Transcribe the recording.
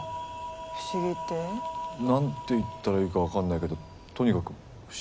不思議って？なんて言ったらいいかわかんないけどとにかく不思議なんだよ。